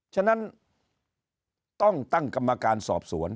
ฉะนั้นต้องตั้งกรรมการสอบสวน